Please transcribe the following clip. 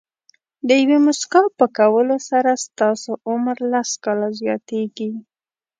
د یوې موسکا په کولو سره ستاسو عمر لس کاله زیاتېږي.